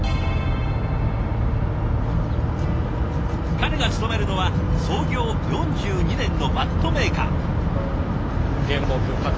彼が勤めるのは創業４２年のバットメーカー。